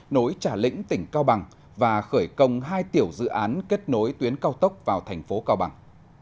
nối trà lĩnh tỉnh cao bằng và khởi công hai tiểu dự án kết nối tuyến cao tốc vào thành phố cao bằng